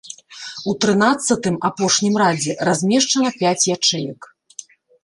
У трынаццатым, апошнім радзе, размешчана пяць ячэек.